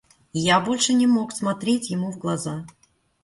Я больше не мог смотреть ему в глаза.